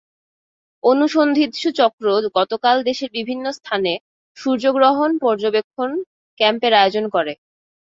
অনুসন্ধিৎসু চক্র গতকাল দেশের বিভিন্ন স্থানে সূর্যগ্রহণ পর্যবেক্ষণ ক্যাম্পের আয়োজন করে।